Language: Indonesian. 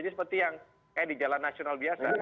jadi seperti yang kayak di jalan nasional biasa